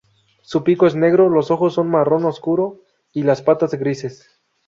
Su pico es negro, los ojos son marrón oscuro y las patas grises.